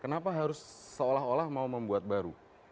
kenapa harus seolah olah mau membuat baru